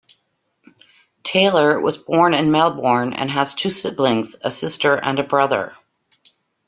Taylor was born in Melbourne and has two siblings, a sister and a brother.